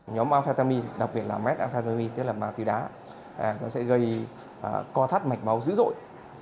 nhóm amfetamin đặc biệt là metafetamin tức là ma túy đá nó sẽ gây co thắt mạch máu dữ dội